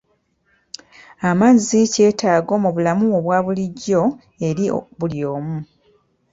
Amazzi kyetaago mu bulamu obwa bulijjo eri buli omu.